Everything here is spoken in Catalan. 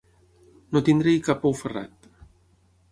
No tenir-hi cap ou ferrat.